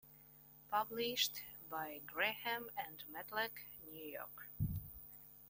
Published by Graham and Matlack, New York.